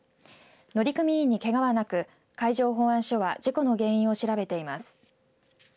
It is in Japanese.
乗組員にけがはなく海上保安署は事故の原因を調べています。